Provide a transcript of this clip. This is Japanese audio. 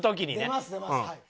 出ます出ますはい。